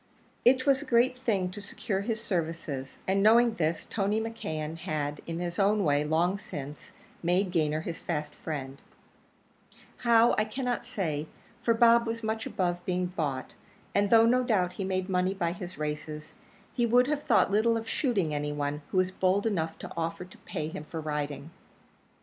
It was a great thing to secure his services; and knowing this, Tony McKeon had, in his own way, long since, made Gayner his fast friend; how, I cannot say, for Bob was much above being bought, and though, no doubt, he made money by his races, he would have thought little of shooting any one who was bold enough to offer to pay him for riding.